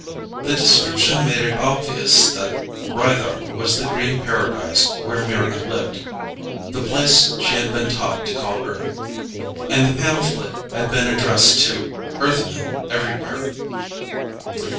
The description made it obvious that Rythar was the green paradise where Mryna lived the place she had been taught to call Earth. And the pamphlet had been addressed to "Earthmen everywhere."